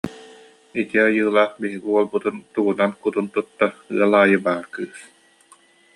Ити айылаах биһиги уолбутун тугунан кутун тутта, ыал аайы баар кыыс